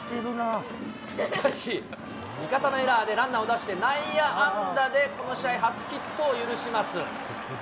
しかし、味方のエラーでランナーを出して内野安打でこの試合初ヒットを許します。